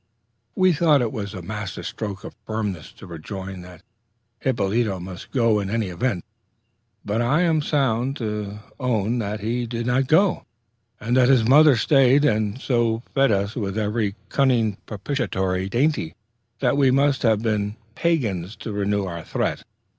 We thought it a masterstroke of firmness to rejoin that Hippolyto must go in any event; but I am bound to own that he did not go, and that his mother stayed, and so fed us with every cunning propitiatory dainty, that we must have been Pagans to renew our threat.